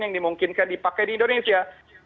yang dimungkinkan dipakai di indonesia